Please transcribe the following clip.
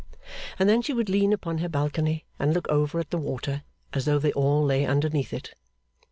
And then she would lean upon her balcony, and look over at the water, as though they all lay underneath it.